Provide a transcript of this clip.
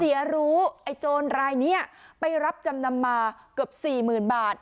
รู้ไอ้โจรรายนี้ไปรับจำนำมาเกือบสี่หมื่นบาท